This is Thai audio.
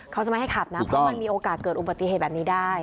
เขาจะไม่ให้ขับนะเพราะมันมีโอกาสเกิดอุบัติเหตุแบบนี้ได้